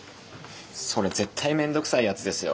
それ絶対面倒くさいやつですよ。